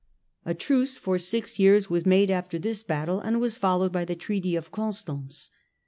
A truce for six years was made after this battle and was followed by the Treaty of Constance.